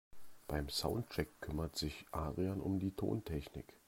Beim Soundcheck kümmert sich Adrian um die Tontechnik.